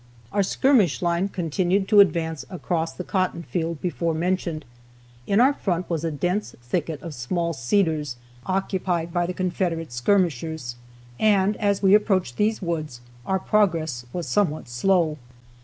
Our skirmish line continued to advance across the cotton field before mentioned. In our front was a dense thicket of small cedars occupied by the Confederate skirmishers, and as we approached these woods our progress was somewhat slow.